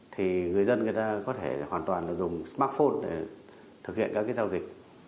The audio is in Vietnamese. thì người dân có thể hoàn toàn dùng smartphone để thực hiện các giao dịch